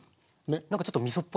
何かちょっとみそっぽい。